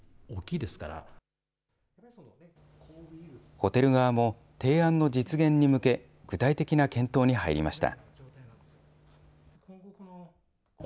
ホテル側も、提案の実現に向け、具体的な検討に入りました。